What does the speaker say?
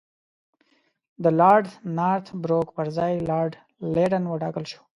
د لارډ نارت بروک پر ځای لارډ لیټن وټاکل شو.